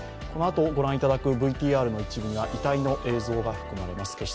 このあと御覧いただくＶＴＲの一部には遺体の映像が含まれます。